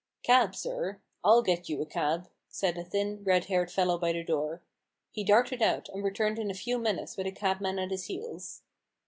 " Cab, sir ? I'll get you a cab," said a thin, red haired fellow by the door. He darted out, and returned in a few minutes with a cabman at his heels.